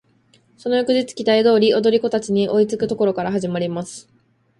その翌日期待通り踊り子達に追いつく処から始まります。